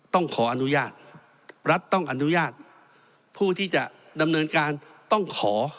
ต้องขออนุญาตรัฐต้องอนุญาตผู้ที่จะดำเนินการต้องขอ